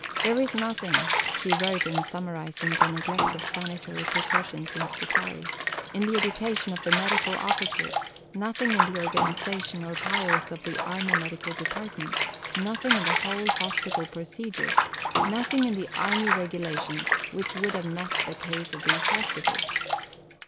"There is nothing," she wrote in summarizing the neglect of sanitary precautions at Scutari, "in the education of the Medical Officer nothing in the organization or powers of the Army Medical Department nothing in the whole Hospital procedure nothing in the Army Regulations which would have met the case of these Hospitals.